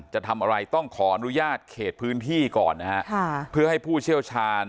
จะทำอะไรต้องขออนุญาตเขตพื้นที่ก่อนนะฮะค่ะเพื่อให้ผู้เชี่ยวชาญ